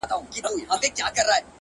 څوک چي ونو سره شپې کوي،